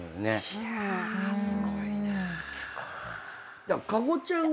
いやすごいな。